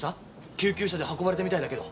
救急車で運ばれたみたいだけど。